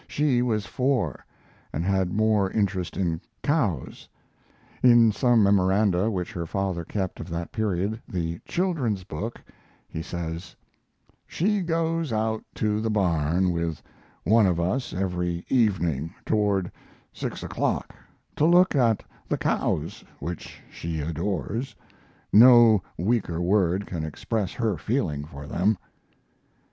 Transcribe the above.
She was four, and had more interest in cows. In some memoranda which her father kept of that period the "Children's Book" he says: She goes out to the barn with one of us every evening toward six o'clock, to look at the cows which she adores no weaker word can express her feeling for them.